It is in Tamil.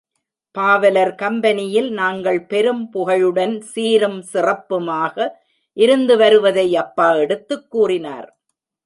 பாவலர் கம்பெனியில் நாங்கள் பெரும் புகழுடன் சீரும் சிறப்புமாக இருந்து வருவதை அப்பா எடுத்துக் கூறினார்.